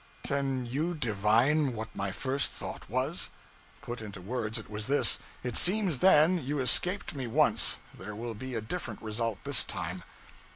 Can you divine what my first thought was? Put into words, it was this: 'It seems, then, you escaped me once: there will be a different result this time!'